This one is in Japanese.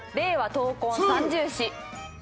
闘魂三銃士！